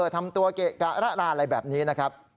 ทำตัวเกะกะระรานอะไรแบบนี้นะครับ